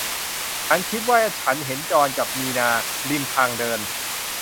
ฉันคิดว่าฉันเห็นจอห์นกับมินาริมทางเดิน